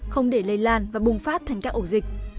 không để lây lan và bùng phát thành các ổ dịch